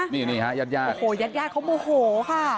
นี่ฮะยาดโอ้โหยาดเขาโมโหค่ะ